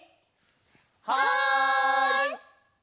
はい！